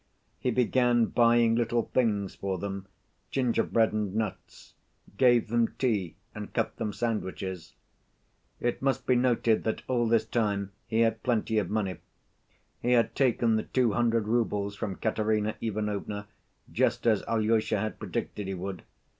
He began buying little things for them, gingerbread and nuts, gave them tea and cut them sandwiches. It must be noted that all this time he had plenty of money. He had taken the two hundred roubles from Katerina Ivanovna just as Alyosha had predicted he would.